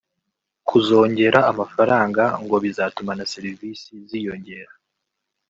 Kuzongera amafaranga ngo bizatuma na serivisi ziyongera